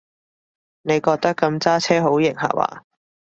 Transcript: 你覺得噉揸車好型下話？